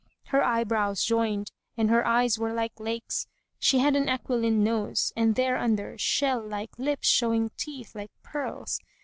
[FN#157] Her eyebrows joined and her eyes were like lakes; she had an aquiline nose and thereunder shell like lips showing teeth like pearls.